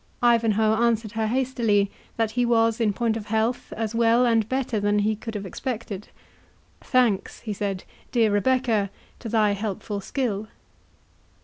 Ivanhoe answered her hastily that he was, in point of health, as well, and better than he could have expected—"Thanks," he said, "dear Rebecca, to thy helpful skill."